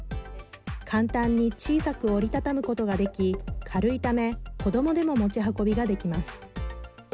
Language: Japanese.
簡単に小さく折り畳むことができ軽いため子どもでも持ち運びができます。